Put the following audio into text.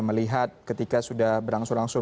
melihat ketika sudah berangsur angsur